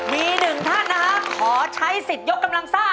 มีหนึ่งท่านนะฮะขอใช้สิทธิ์ยกกำลังซ่า